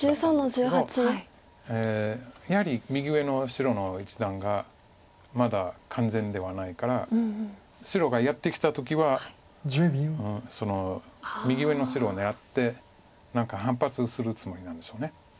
やはり右上の白の一団がまだ完全ではないから白がやってきた時はその右上の白を狙って何か反発するつもりなんでしょう。